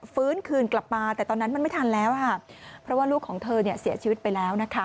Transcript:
ฟื้นคืนกลับมาแต่ตอนนั้นมันไม่ทันแล้วค่ะเพราะว่าลูกของเธอเนี่ยเสียชีวิตไปแล้วนะคะ